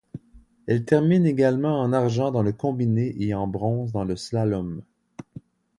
Elle termine également en argent dans le combiné et en bronze dans le slalom.